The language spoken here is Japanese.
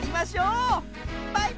バイバーイ！